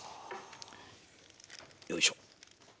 よいしょ。